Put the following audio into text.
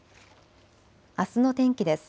あすの天気です。